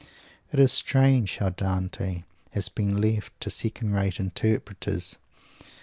It is strange how Dante has been left to second rate interpreters!